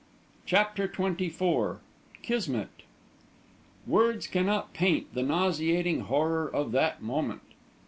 CHAPTER XXIV KISMET! Words cannot paint the nauseating horror of that moment.